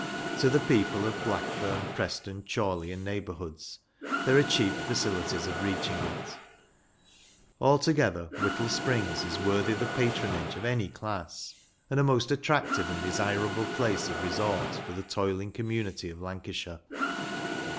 To the people of Blackburn, Preston, Chorley, and neighbour hoods, there are cheap facilities of reaching it. Altogether, Whittle Springs is worthy the patronage of any class, and a most attractive and desirable place of resort for the toiling community of Lancashire.